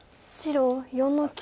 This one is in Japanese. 白４の九。